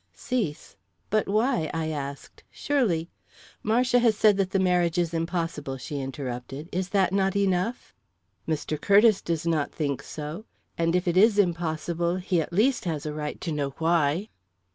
"Cease? But why?" I asked. "Surely " "Marcia has said that the marriage is impossible," she interrupted. "Is not that enough?" "Mr. Curtiss does not think so. And if it is impossible, he, at least, has a right to know why."